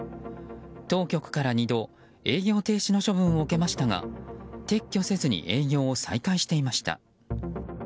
当局から２度営業停止の処分を受けましたが撤去せずに営業を再開していました。